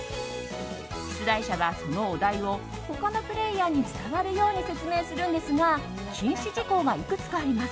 出題者は、そのお題を他のプレーヤーに伝わるように説明するんですが禁止事項がいくつかあります。